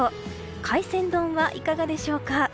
海鮮丼はいかがでしょうか？